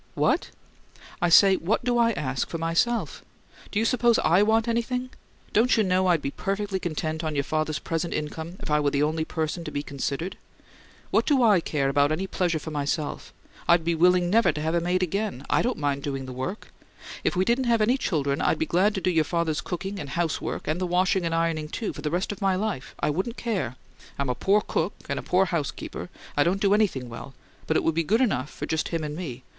"What?" "I say, What do I ask for myself? Do you suppose I want anything? Don't you know I'd be perfectly content on your father's present income if I were the only person to be considered? What do I care about any pleasure for myself? I'd be willing never to have a maid again; I don't mind doing the work. If we didn't have any children I'd be glad to do your father's cooking and the housework and the washing and ironing, too, for the rest of my life. I wouldn't care. I'm a poor cook and a poor housekeeper; I don't do anything well; but it would be good enough for just him and me.